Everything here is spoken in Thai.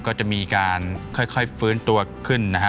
ก็จะมีการค่อยฟื้นตัวขึ้นนะฮะ